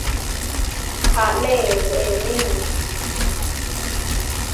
ทะเลเบริง